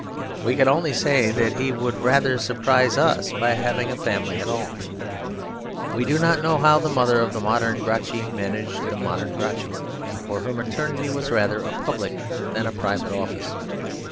We can only say that he would rather surprise us by having a family at all. We do not know how the Mother of the Modern Gracchi managed the Modern Gracchi; for her maternity was rather a public than a private office.